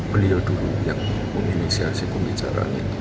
beliau dulu yang meminisiasi pembicaranya